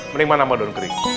mending mana mau daun kering